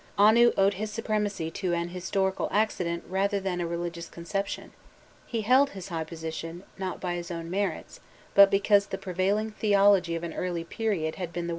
Anu owed his supremacy to an historical accident rather than a religious conception: he held his high position, not by his own merits, but because the prevailing theology of an early period had been the work of his priesthood.